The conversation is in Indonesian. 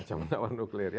jaman awal nuklir